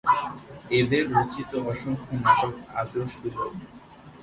এঁদের রচিত অসংখ্য নাটক আজও সুলভ।